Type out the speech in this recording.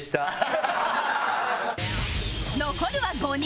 残るは５人